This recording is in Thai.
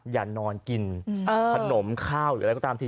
อย่านอนกินขนมข้าวหรืออะไรก็ตามที